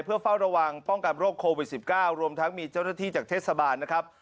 เพื่อเฝ้าระวังป้องกันโรคโควิด๑๙รวมทั้งมีเจ้าหน้าที่จากเทศบาลนะครับ